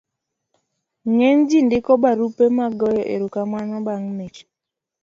ng'eny ji ndiko barupe mag goyo erokamano bang' mich